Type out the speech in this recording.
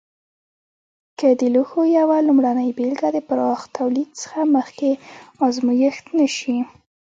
که د لوښو یوه لومړنۍ بېلګه د پراخ تولید څخه مخکې ازمېښت نه شي.